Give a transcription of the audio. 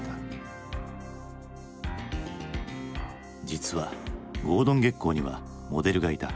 実はゴードン・ゲッコーにはモデルがいた。